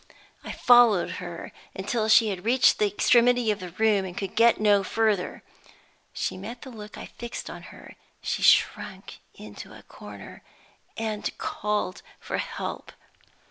I followed her until she had reached the extremity of the room and could get no further. She met the look I fixed on her; she shrunk into a corner, and called for help.